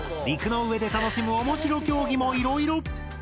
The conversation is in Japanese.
陸の上で楽しむおもしろ競技もいろいろ！